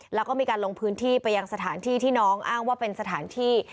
แล้วก็มีการลงพื้นที่ไปยังสถานที่ที่น้องอ้างว่าเป็นสถานที่